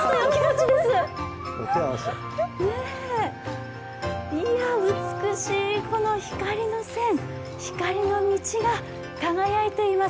いや、美しい光の線、光の道が輝いています。